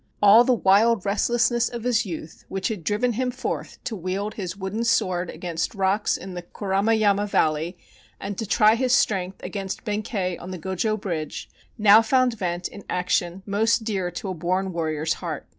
All the wild restlessness of his youth, which had driven him forth to wield his wooden sword against the rocks in the Kuramayama Valley and to try his strength against Benkei on the Go jo Bridge, now found vent in action most dear to a born warrior's heart.